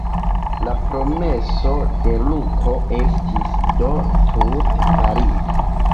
La promeso de Luko estis do tute valida.